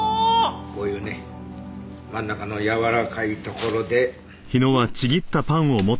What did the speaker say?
こういうね真ん中のやわらかいところで。